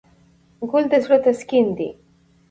ګل د زړه تسکین دی.